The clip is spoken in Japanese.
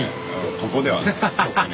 ここではね特に。